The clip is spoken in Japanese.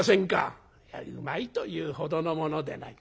「うまいというほどのものでない。